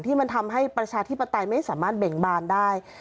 ที่มันทำให้ประชาธิปไตยไม่สามารถเบ่งบานได้